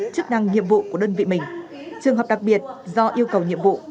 chức năng nhiệm vụ của đơn vị mình trường hợp đặc biệt do yêu cầu nhiệm vụ